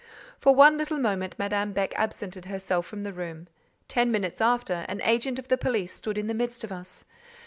For one little moment Madame Beck absented herself from the room; ten minutes after, an agent of the police stood in the midst of us.